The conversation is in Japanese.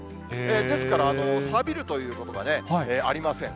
ですから、さびるということがありません。